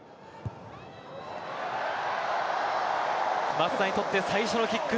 松田にとって最初のキック。